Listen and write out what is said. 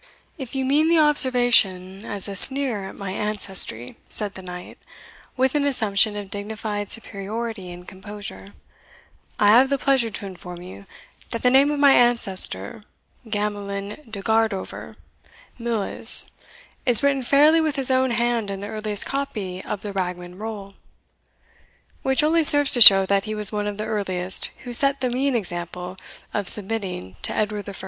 "If you mean the observation as a sneer at my ancestry," said the knight, with an assumption of dignified superiority and composure, "I have the pleasure to inform you, that the name of my ancestor, Gamelyn de Guardover, Miles, is written fairly with his own hand in the earliest copy of the Ragman roll." "Which only serves to show that he was one of the earliest who set the mean example of submitting to Edward I.